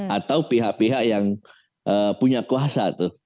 atau pihak pihak yang punya kuasa tuh